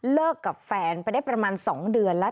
กับแฟนไปได้ประมาณ๒เดือนแล้ว